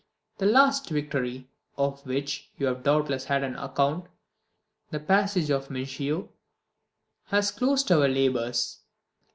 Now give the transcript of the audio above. The last victory, of which you have doubtless had an account, the passage of the Mincio, has closed our labours.